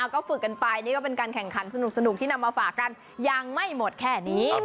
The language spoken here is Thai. ก็ฝึกกันไปนี่ก็เป็นการแข่งขันสนุกที่นำมาฝากกันยังไม่หมดแค่นี้